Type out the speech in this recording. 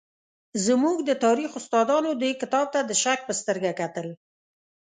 زموږ د تاریخ استادانو دې کتاب ته د شک په سترګه کتل.